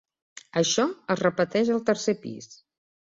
Això es repeteix al tercer pis.